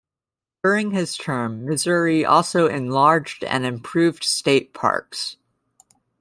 During his term, Missouri also enlarged and improved state parks.